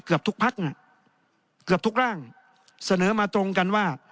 เกือบทุกพักน่ะเกือบทุกร่างเสนอมาตรงกันว่า